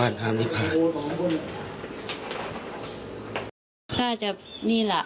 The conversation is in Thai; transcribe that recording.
ฝ่ายกรเหตุ๗๖ฝ่ายมรณภาพกันแล้ว